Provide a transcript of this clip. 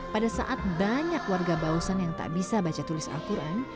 pada saat banyak warga bausan yang tak bisa baca tulis al quran